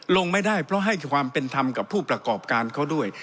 ลงไม่ได้เพราะให้ความเป็นธรรมกับผู้ประกอบการเขาด้วย